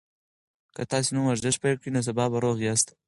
که تاسي نن ورزش پیل کړئ نو سبا به روغ یاست.